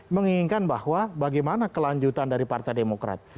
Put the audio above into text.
menginginkan bahwa bagaimana kelanjutan dari partai demokrat